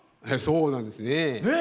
そうなんですね。